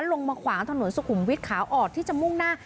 ลงมาขวางถนนสุขุมวิทย์ขาออกที่จะมุ่งหน้า